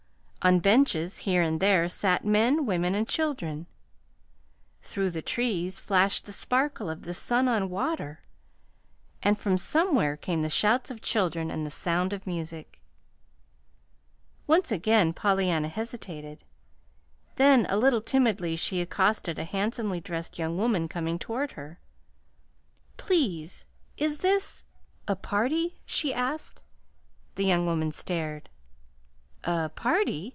On benches here and there sat men, women, and children. Through the trees flashed the sparkle of the sun on water; and from somewhere came the shouts of children and the sound of music. Once again Pollyanna hesitated; then, a little timidly, she accosted a handsomely dressed young woman coming toward her. "Please, is this a party?" she asked. The young woman stared. "A party!"